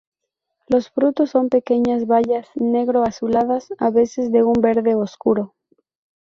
Los frutos son pequeñas bayas negro azuladas, a veces de un verde oscuro.